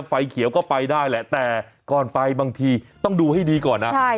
ไฟเขียวก็ไปได้แหละแต่ก่อนไปบางทีต้องดูให้ดีก่อนนะ